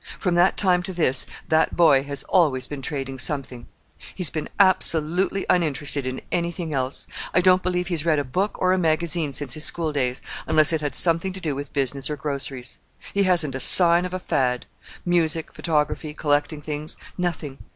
From that time to this, that boy has always been trading something. He's been absolutely uninterested in anything else. I don't believe he's read a book or a magazine since his school days, unless it had something to do with business or groceries. He hasn't a sign of a fad—music, photography, collecting things—nothing.